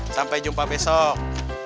sampai jumpa besok